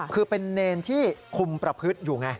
คือเป็นเนรที่คุมประพฤติอยู่ไง